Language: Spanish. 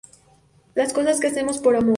Las cosas que hacemos por amor".